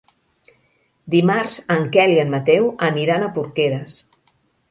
Dimarts en Quel i en Mateu aniran a Porqueres.